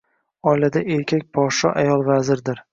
Oilada erkak podshoh, ayol vazirdir.